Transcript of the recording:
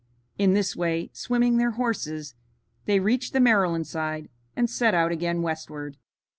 In this way, swimming their horses, they reached the Maryland side, and set out again westward.